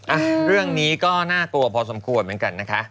อ่ะเรื่องนี้ก็น่ากลัวพอสมควรเหมือนกันนะคะ